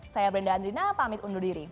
saya brenda andrina pamit undur diri